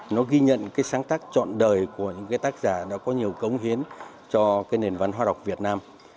nó ghi nhận sáng tác trọn đời của tác giả đã có nhiều cống hiến cho nền văn hoa đọc việt nam